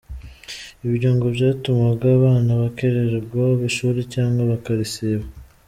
Ibyo ngo byatumaga abana bakerererwa ishuri cyangwa bakarisiba.